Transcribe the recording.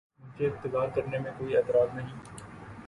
مجھے اِنتظار کرنے میں کوئی اعتراض نہیں ہے۔